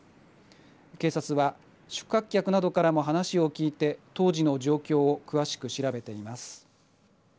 警察は、宿泊客などからも話を聞いて当時の状況を詳しく調べています。